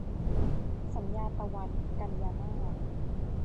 สัญญาตะวัน - กันยามาส